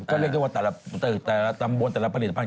ก็เรียกว่าตำบลแต่ละผลิตภัณฑ์